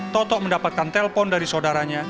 toto mendapatkan telpon dari saudaranya